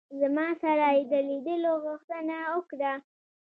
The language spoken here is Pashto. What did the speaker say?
زما سره یې د لیدلو غوښتنه وکړه.